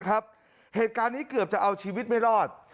เหตุการณ์นี้เกือบจะเอาชีวิตไม่รอด